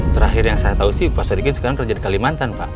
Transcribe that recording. terakhir yang saya tahu sih pak sariqid sekarang kerja di kalimantan pak